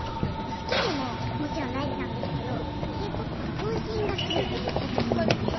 スキルももちろん大事なんですけどＫ−ＰＯＰは頭身がすべてだと思うんですよ。